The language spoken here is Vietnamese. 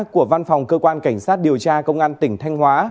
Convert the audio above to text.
của văn phòng cơ quan cảnh sát điều tra công an tỉnh thanh hóa